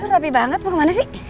lo rapi banget mau kemana sih